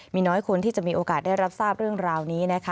มีน้อยคนที่จะมีโอกาสได้รับทราบเรื่องราวนี้นะคะ